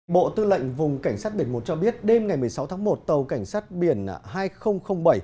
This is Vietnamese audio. bộ tư lệnh vùng cảnh sát biển một cho biết đêm ngày một mươi sáu tháng một tàu cảnh sát biển hai nghìn bảy